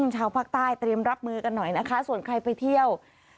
ชาวภาคใต้เตรียมรับมือกันหน่อยนะคะส่วนใครไปเที่ยว